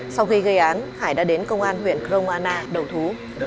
sau khi gây án hải đã đến công an huyện cromana đầu thú